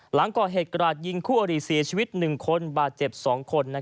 หลังก่อเหตุกราดยิงคู่อริเสียชีวิต๑คนบาดเจ็บ๒คน